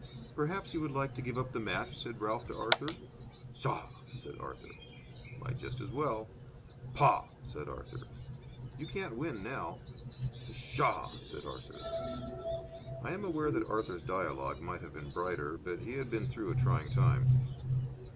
"Perhaps you would like to give up the match?" said Ralph to Arthur. "Tchah!" said Arthur. "Might just as well." "Pah!" said Arthur. "You can't win now." "Pshaw!" said Arthur. I am aware that Arthur's dialogue might have been brighter, but he had been through a trying time.